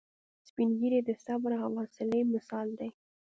سپین ږیری د صبر او حوصلې مثال دی